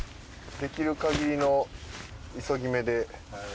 できるかぎりの急ぎめで。